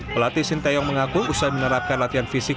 pelatih sinteyong mengaku usai menerapkan latihan fisik